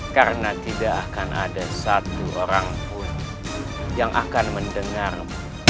karena tidak akan ada satu orang pun yang akan mendengarmu